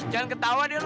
jangan ketawa deh lu